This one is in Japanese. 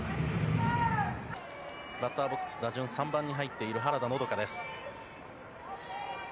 バッターボックス、打順３番に入っている原田のどかです。